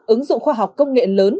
ứng dụng khoa học công nghệ lớn